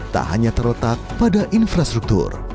tak hanya terletak pada infrastruktur